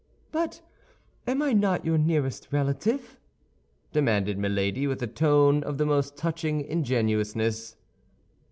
"But am I not your nearest relative?" demanded Milady, with a tone of the most touching ingenuousness.